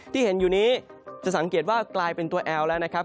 ที่เห็นอยู่นี้จะสังเกตว่ากลายเป็นตัวแอลแล้วนะครับ